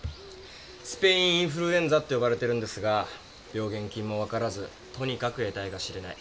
スペイン・インフルエンザって呼ばれてるんですが病原菌も分からずとにかく得体が知れない。